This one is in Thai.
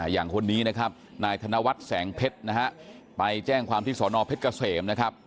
อย่างคนนี้นะครับนายธนวัฒน์แสงเพชรนะฮะไปแจ้งความที่สอนอเพชรเกษมนะครับ